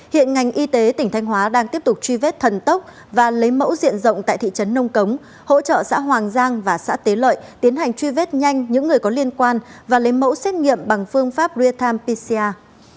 hiện ngành y tế tỉnh thanh hóa đang tiếp tục truy vết thần tốc và lấy mẫu diện rộng tại thị trấn nông cống hỗ trợ xã hoàng giang và xã tế lợi tiến hành truy vết nhanh những người có liên quan và lấy mẫu xét nghiệm bằng phương pháp real time pcr